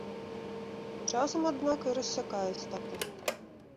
Часам, аднак, і рассякае стапу.